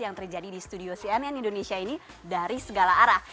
yang terjadi di studio cnn indonesia ini dari segala arah